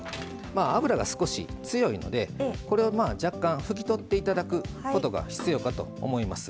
油が少し強いのでこれは若干拭き取って頂くことが必要かと思います。